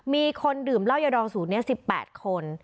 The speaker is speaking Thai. มีคนดื่มเหล้ายาดองสูตรนี้๑๘คน